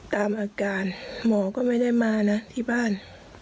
ตามอาการหมอก็ไม่ได้มานะที่บ้าน